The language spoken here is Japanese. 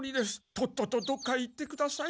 とっととどこかへ行ってください。